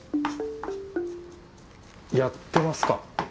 やってますか？